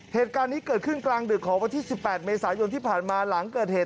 เหตุการณ์นี้เกิดขึ้นกลางดึกของวันที่๑๘เมษายนที่ผ่านมาหลังเกิดเหตุ